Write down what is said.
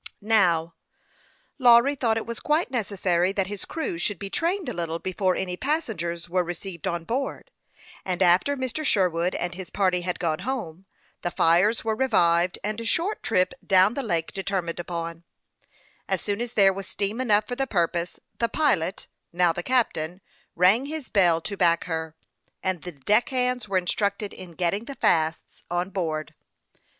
Now, Lawry thought it was quite necessary that his crew should be trained a little before any pas sengers were received on board, and after Mr. Sher wood and his party had gone home, the fires were revived, and a short trip down the lake determined THE YOUNG PILOT OF LAKE CHAMPLAIN. 209 upon. As soon as there was steam enough for the purpose, the pilot, now the captain, rang his bell to back her, and the deck hands were instructed in getting the fasts on board.